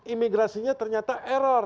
imigrasinya ternyata error